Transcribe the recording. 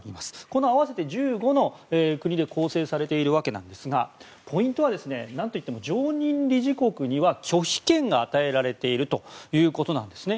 この合わせて１５の国で構成されているわけなんですがポイントは、何といっても常任理事国には拒否権が与えられているということなんです。